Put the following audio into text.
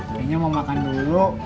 kayaknya mau makan dulu